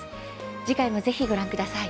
次回もぜひ、ご覧ください。